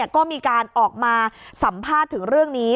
ก็มีการออกมาสัมภาษณ์ถึงเรื่องนี้